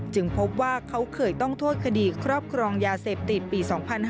พบว่าเขาเคยต้องโทษคดีครอบครองยาเสพติดปี๒๕๕๙